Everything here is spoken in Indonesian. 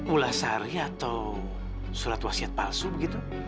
ulah sari atau surat wasiat palsu begitu